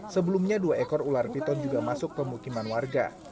sebelumnya dua ekor ular piton juga masuk pemukiman warga